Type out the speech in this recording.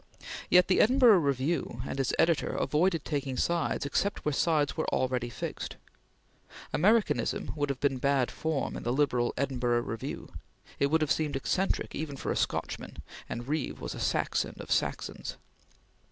Yet the Edinburgh Review and its editor avoided taking sides except where sides were already fixed. Americanism would have been bad form in the liberal Edinburgh Review; it would have seemed eccentric even for a Scotchman, and Reeve was a Saxon of Saxons.